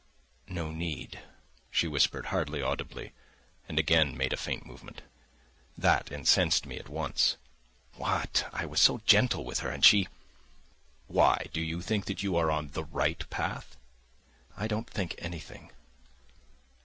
"No need," she whispered hardly audibly, and again made a faint movement. That incensed me at once. What! I was so gentle with her, and she.... "Why, do you think that you are on the right path?" "I don't think anything."